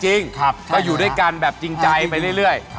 จะอยู่ด้วยกันจริงใจไปเรื่อย